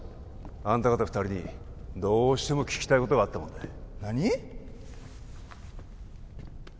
あんた方２人にどうしても聞きたいことがあったもんで何？